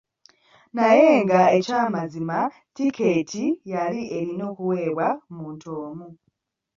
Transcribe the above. Naye nga ekyamazima tikeeti yali erina kuweebwa muntu omu.